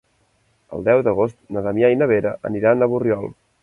El deu d'agost na Damià i na Vera aniran a Borriol.